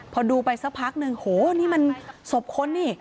พอดูไปสักพักหนึ่งโหนี่มันศพคนนี่